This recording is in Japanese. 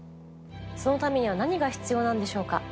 そのためには何が必要なんでしょうか？